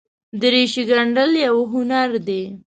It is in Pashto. دریشي ګنډل یوه هنر دی.